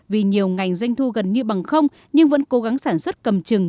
vì nhiều ngành doanh thu gần như bằng không nhưng vẫn cố gắng sản xuất cầm chừng